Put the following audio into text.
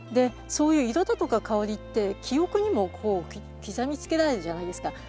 そういう色だとか香りって記憶にも刻みつけられるじゃないですか。